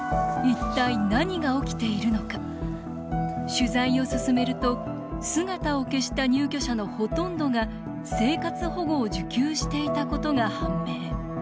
取材を進めると姿を消した入居者のほとんどが生活保護を受給していたことが判明。